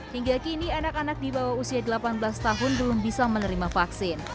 hingga kini anak anak di bawah usia delapan belas tahun belum bisa menerima vaksin